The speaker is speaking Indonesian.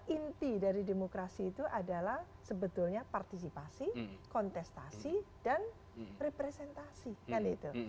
inti dari demokrasi itu adalah sebetulnya partisipasi kontestasi dan representasi kan itu